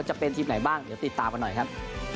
จะเป็นทีมไหนบ้างเดี๋ยวติดตามกันหน่อยครับ